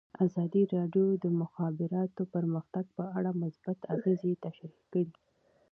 ازادي راډیو د د مخابراتو پرمختګ په اړه مثبت اغېزې تشریح کړي.